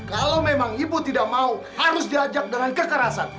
kalau memang ibu tidak mau harus diajak dengan kekerasan